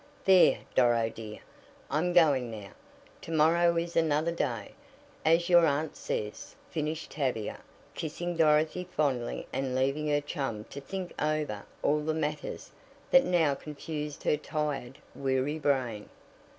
"There, Doro, dear, I'm going now. To morrow is another day, as your aunt says," finished Tavia, kissing Dorothy fondly and leaving her chum to think over all the matters that now confused her tired, weary brain.